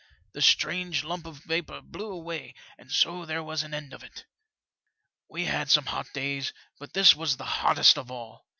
The strange lump of vapour blew away, and so there was an end of it. We had had some hot days, but this was the hottest of all.